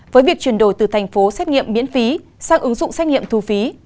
với việc chuyển đổi từ thành phố xét nghiệm miễn phí sang ứng dụng xét nghiệm thu phí